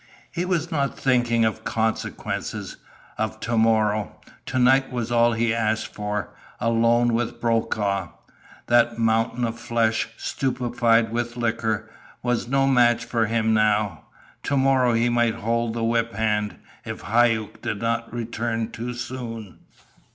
He was not thinking of consequences of to morrow. To night was all he asked for alone with Brokaw. That mountain of flesh, stupefied with liquor, was no match for him now. To morrow he might hold the whip hand, if Hauck did not return too soon.